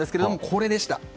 これでした。